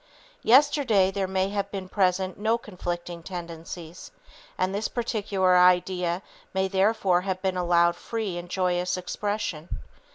Yesterday there may have been present no conflicting tendencies, and this particular idea may therefore have been allowed free and joyous expression.